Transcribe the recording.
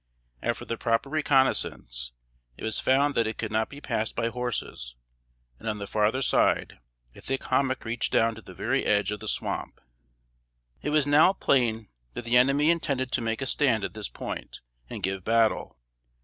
After the proper reconnoissance, it was found that it could not be passed by horses; and on the farther side a thick hommock reached down to the very edge of the swamp. It was now plain that the enemy intended to make a stand at this point, and give battle.